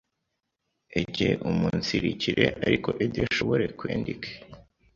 egeumunsirikire eriko edeshobore kwendike